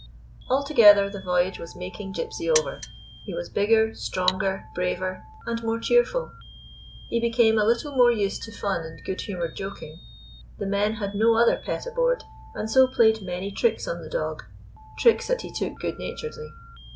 Altogether, the voyage was making Gypsy over. He was bigger, stronger, braver and more cheerful. He became a little more used to fun and good humored joking. The men had no other pet aboard, and so played many tricks on the dog — tricks that he took good naturedly.